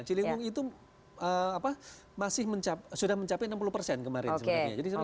ciri wong itu masih sudah mencapai enam puluh persen kemarin sebenarnya